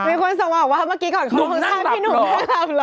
มีคนสาวออกว่าเมื่อกี้ก่อนเข้าของท่านพี่หนุนนั่งหลับหรอ